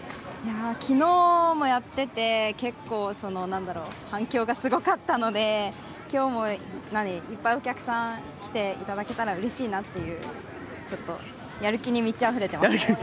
昨日もやってて結構反響がすごかったので、今日もいっぱいお客さん来ていただけたらうれしいなってやる気に満ちあふれています。